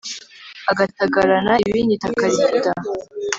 agatagarana ibinyita akarigita